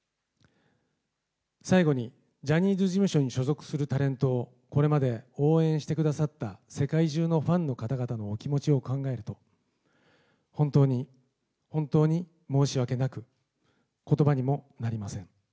最後に、ジャニーズ事務所に所属するタレントを、これまで応援してくださった世界中のファンの方々のお気持ちを考えると、本当に、本当に申し訳なく、ことばにもなりません。